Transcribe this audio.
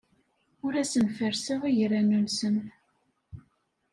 Ur asen-ferrseɣ igran-nsen.